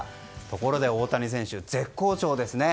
ところで、大谷選手絶好調ですね。